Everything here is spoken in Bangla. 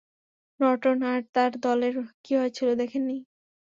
নর্টন আর তার দলের কী হয়েছিল দেখেননি?